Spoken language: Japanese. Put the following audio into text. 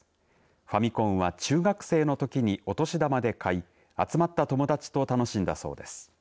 ファミコンは中学生のときにお年玉で買い、集まった友達と楽しんだそうです。